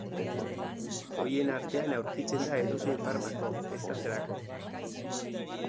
Horien artean aurkitzen da edozein farmako, esaterako.